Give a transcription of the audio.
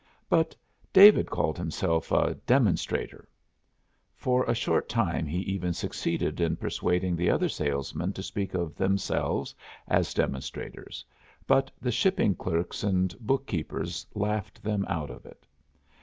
But David called himself a "demonstrator." For a short time he even succeeded in persuading the other salesmen to speak of themselves as demonstrators, but the shipping clerks and bookkeepers laughed them out of it.